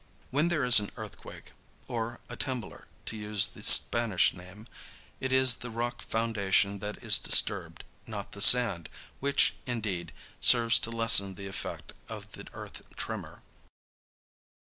When there is an earthquake or a "temblor," to use the Spanish name it is the rock foundation that is disturbed, not the sand, which, indeed, serves to lessen the effect of the earth tremor.